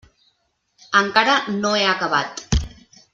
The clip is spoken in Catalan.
Encara no he acabat.